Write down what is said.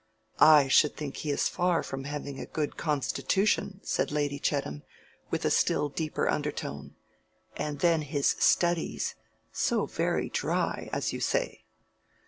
"I should think he is far from having a good constitution," said Lady Chettam, with a still deeper undertone. "And then his studies—so very dry, as you say."